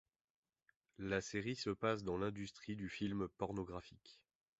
La série se passe dans l'industrie du film pornographique.